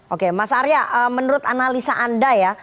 oke mas arya menurut analisa anda ya